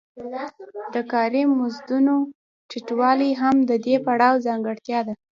د کاري مزدونو ټیټوالی هم د دې پړاو ځانګړتیا ده